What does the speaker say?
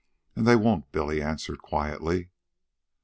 "And they won't," Billy answered quietly.